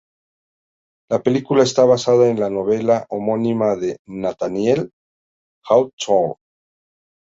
La película está basada en la novela homónima de Nathaniel Hawthorne.